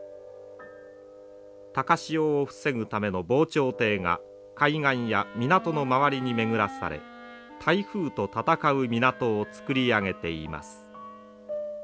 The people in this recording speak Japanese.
高潮を防ぐための防潮堤が海岸や港の周りに巡らされ台風と闘う港を作り上げています。